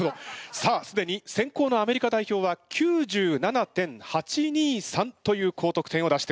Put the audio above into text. さあすでに先攻のアメリカ代表は９７．８２３という高得点を出しております。